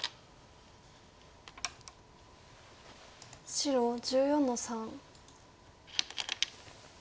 白１４の三。